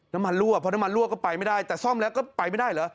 รั่วเพราะน้ำมันรั่วก็ไปไม่ได้แต่ซ่อมแล้วก็ไปไม่ได้เหรอ